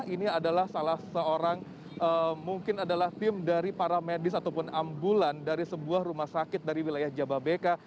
ini adalah salah seorang mungkin adalah tim dari para medis ataupun ambulan dari sebuah rumah sakit dari wilayah jababeka